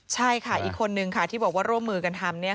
ใช่ค่ะอีกคนนึงค่ะที่บอกว่าร่วมมือกันทำ